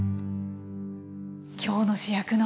今日の主役の。